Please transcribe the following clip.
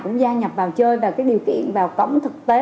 cũng gia nhập vào chơi và cái điều kiện vào cổng thực tế